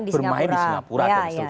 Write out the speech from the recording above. bermain di singapura